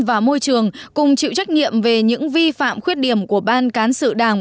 và môi trường cùng chịu trách nhiệm về những vi phạm khuyết điểm của ban cán sự đảng